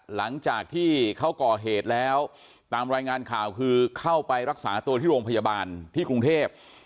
หลังจากที่เขาก่อเหตุแล้วตามรายงานข่าวคือเข้าไปรักษาตัวที่โรงพยาบาลที่กรุงเทพ